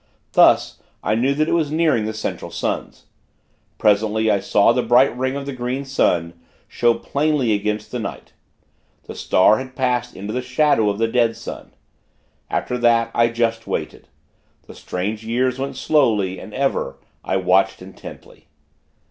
Thus, I knew that it was nearing the Central Suns. Presently, I saw the bright ring of the Green Sun, show plainly against the night The star had passed into the shadow of the Dead Sun. After that, I just waited. The strange years went slowly, and ever, I watched, intently.